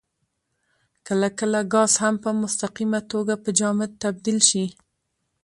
کله کله ګاز هم په مستقیمه توګه په جامد تبدیل شي.